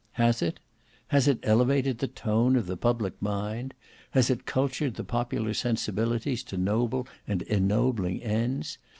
Has it? Has it elevated the tone of the public mind? Has it cultured the popular sensibilities to noble and ennobling ends?